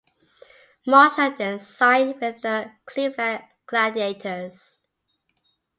Marshall then signed with the Cleveland Gladiators.